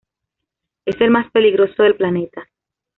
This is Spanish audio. Es el más peligroso del planeta.